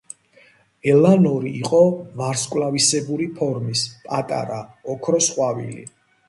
ელანორი იყო ვარსკვლავისებური ფორმის, პატარა, ოქროს ყვავილი.